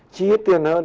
chí ít tiền hơn